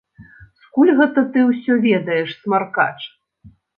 Скуль гэта ты ўсё ведаеш, смаркач?